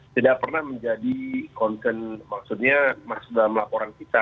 tidak pernah menjadi konten maksudnya maksud dalam laporan kita